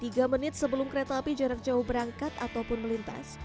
tiga menit sebelum kereta api jarak jauh berangkat ataupun melintas